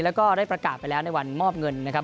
แล้วก็ได้ประกาศไปแล้วในวันมอบเงินนะครับ